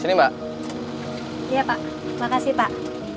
sini mbak iya pak makasih pak